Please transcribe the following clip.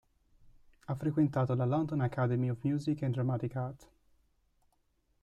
Ha frequentato la London Academy of Music and Dramatic Art.